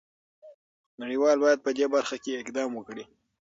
نړۍ وال باید په دې برخه کې اقدام وکړي.